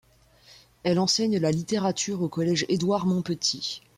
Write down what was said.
Elle enseigne la littérature au Collège Édouard-Montpetit.